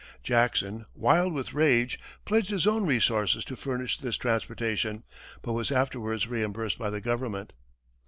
Jackson, wild with rage, pledged his own resources to furnish this transportation, but was afterwards reimbursed by the government.